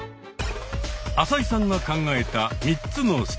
朝井さんが考えた３つのステップ。